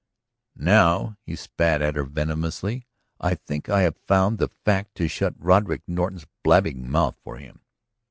"Now," he spat at her venomously, "I think I have found the fact to shut Roderick Norton's blabbing mouth for him!"